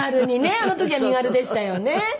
あの時は身軽でしたよね。